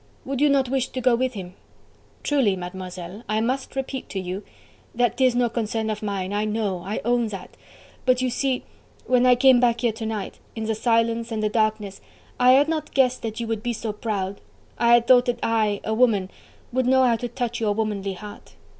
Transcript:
would you not wish to go with him?" "Truly, Mademoiselle, I must repeat to you..." "That 'tis no concern of mine... I know... I own that.... But, you see when I came back here to night in the silence and the darkness I had not guessed that you would be so proud... I thought that I, a woman, would know how to touch your womanly heart....